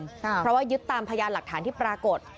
เพราะว่ายึดตามพยานหลักฐานที่ปรากฏ